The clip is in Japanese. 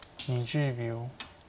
２０秒。